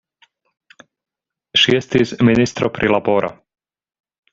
Ŝi estis ministro pri laboro.